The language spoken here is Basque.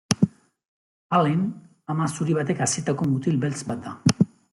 Allen ama zuri batek hazitako mutil beltz bat da.